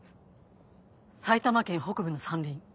埼玉県北部の山林。